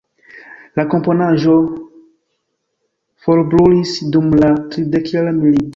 La komponaĵo forbrulis dum la Tridekjara Milito.